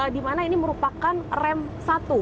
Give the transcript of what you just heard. di mana ini merupakan rem satu